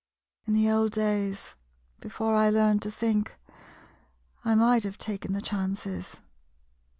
In the old days, before I learned to think, I might have taken the chances.